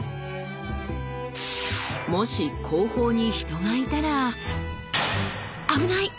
もし後方に人がいたら危ない！